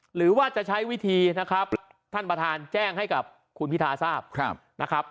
หรือว่าจะใช้วิธีนะครับท่านประธานแจ้งให้กับคุณพิธาทราบนะครับ